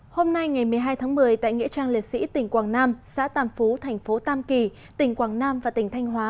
hôm nay ngày một mươi hai tháng một mươi tại nghĩa trang liệt sĩ tỉnh quảng nam xã tàm phú thành phố tam kỳ tỉnh quảng nam và tỉnh thanh hóa